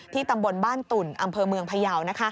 ตำบลบ้านตุ่นอำเภอเมืองพยาว